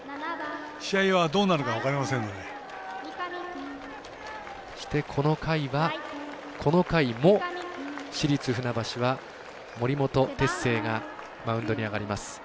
試合はどうなるか分かりませんのでそしてこの回も市立船橋は森本哲星がマウンドに上がります。